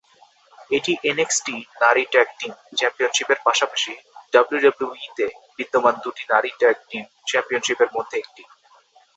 এটি এনএক্সটি নারী tag team চ্যাম্পিয়নশিপের পাশাপাশি ডাব্লিউডাব্লিউইতে বিদ্যমান দুটি নারী ট্যাগ টিম চ্যাম্পিয়নশিপের মধ্যে একটি।